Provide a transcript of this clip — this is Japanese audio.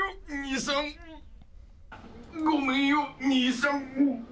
ごめんよ、兄さん。